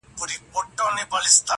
خالقه خدايه ستا د نُور د نقدس نښه ده,